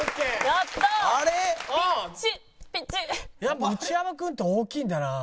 やっぱ内山君って大きいんだな。